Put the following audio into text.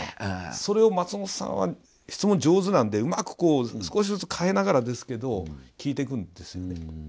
それを松本さんは質問上手なんでうまくこう少しずつ変えながらですけど聞いてくんですよね。